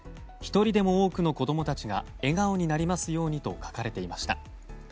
一人でも多くの子供たちが笑顔になりますようにと書かれていました。